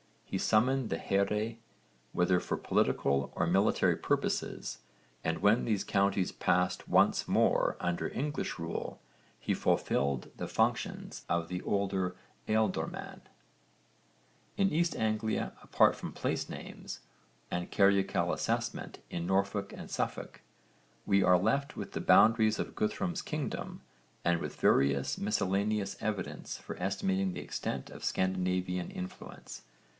He summoned the here, whether for political or military purposes, and when these counties passed once more under English rule he fulfilled the functions of the older ealdorman. In East Anglia, apart from place names (v. supra, p. 129) and carucal assessment in Norfolk and Suffolk, we are left with the boundaries of Guthrum's kingdom and with various miscellaneous evidence for estimating the extent of Scandinavian influence.